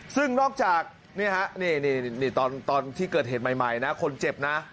ซึ่งนอกจากนี่ฮะนี่ตอนที่เกิดเหตุใหม่นะคนเจ็บนะ